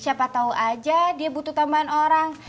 siapa tahu aja dia butuh teman orang